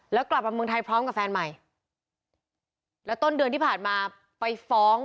แล้วกลับมาเมืองไทยพร้อมกับแฟนใหม่แล้วต้นเดือนที่ผ่านมาไปฟ้อง